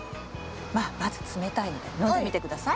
まあまず冷たいので飲んでみて下さい。